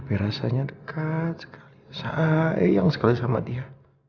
biasanya dekat sekali sayang sekali sama dia